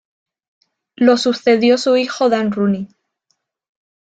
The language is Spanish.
Lo sucedió su hijo Dan Rooney.